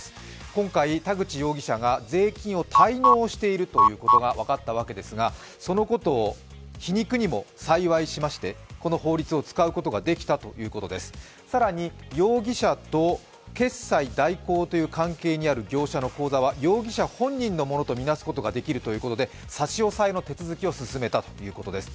今回、田口容疑者が税金を滞納していることが分かったわけですが、そのことを皮肉にも幸いしましてこの法律を使うことができたということです、更に容疑者と決済代行の口座は容疑者本人のものとみなすことができるということで、差し押さえの手続きを進めたということです。